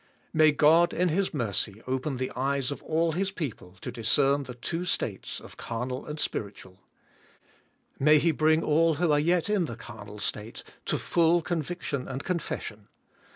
May God in His mercy open the eyes of all His people to discern the two states of carnal and spirit CARNAI. OR SPIRITUAI,. 13 ual. May He bring all who are yet in the carnal state to full conviction and confession.